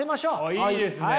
いいですね！